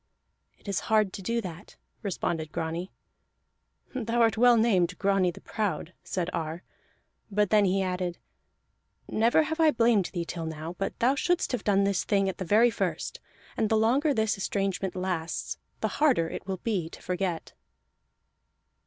"It is hard to do that," responded Grani. "Thou art well named Grani the Proud," said Ar; but then he added: "Never have I blamed thee till now, but thou shouldst have done this thing at the very first. And the longer this estrangement lasts, the harder it will be to forget."